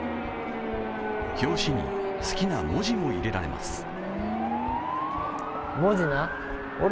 表紙に好きな文字も入れられます。